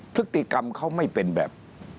ธุรกิจกรรมเขาไม่เป็นแบบ